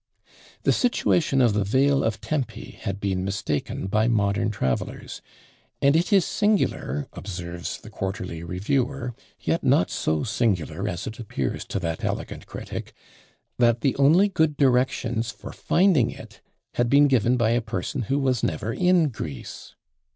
The situation of the vale of Tempe had been mistaken by modern travellers; and it is singular, observes the Quarterly Reviewer, yet not so singular as it appears to that elegant critic, that the only good directions for finding it had been given by a person who was never in Greece.